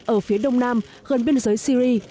ở phía đông nam gần biên giới syri